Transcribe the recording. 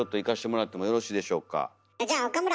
あっじゃあ岡村！